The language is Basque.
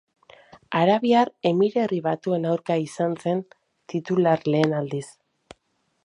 Arabiar Emirerri Batuen aurka izan zen titular lehen aldiz.